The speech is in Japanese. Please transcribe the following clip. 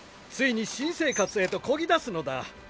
ついに新生活へとこぎ出すのだ。